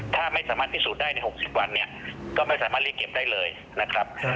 ถ้าไม่สามารถพิสูจน์ได้ใน๖๐วันเนี่ยก็ไม่สามารถเรียกเก็บได้เลยนะครับ